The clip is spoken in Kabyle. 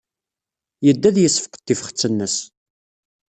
Yedda ad yessefqed tifxet-nnes.